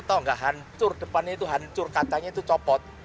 tau gak hancur depannya itu hancur kacanya itu copot